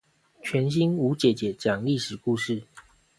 全新吳姐姐講歷史故事